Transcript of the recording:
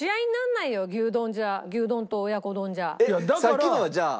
さっきのはじゃあ。